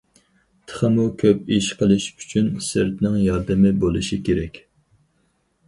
تېخىمۇ كۆپ ئىش قىلىش ئۈچۈن سىرتنىڭ ياردىمى بولۇشى كېرەك.